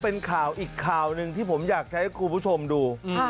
เป็นข่าวอีกข่าวหนึ่งที่ผมอยากจะให้คุณผู้ชมดู